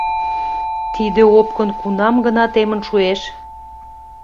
— Тиде опкын кунам гына темын шуэш?